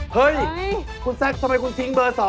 เฮ่ยคุณแซ็กทำไมคุณทิ้งเบอร์๒น่ะอ่า